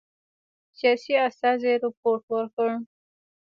سیاسي استازي رپوټ ورکړ.